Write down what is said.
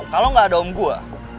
kalau gak ada om gue